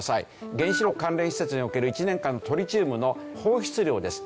原子力関連施設における１年間のトリチウムの放出量です。